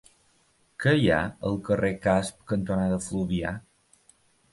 Què hi ha al carrer Casp cantonada Fluvià?